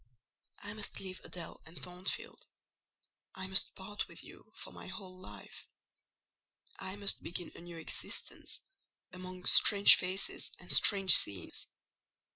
"I must leave Adèle and Thornfield. I must part with you for my whole life: I must begin a new existence among strange faces and strange scenes."